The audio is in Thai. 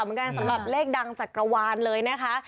สำหรับเลขดังจากกระวานเลยนะคะ